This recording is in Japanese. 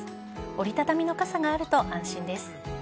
折り畳みの傘があると安心です。